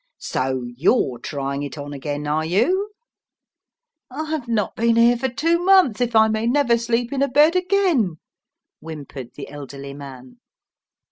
"So you're trying it on again, are you?" "I've not been here for two months, if I may never sleep in a bed again," whimpered the elderly man.